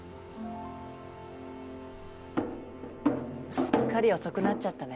すっかり遅くなっちゃったね。